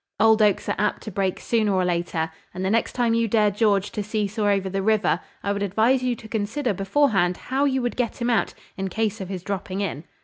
"Old oaks are apt to break, sooner or later; and, the next time you dare George to see saw over the river, I would advise you to consider beforehand how you would get him out, in case of his dropping in."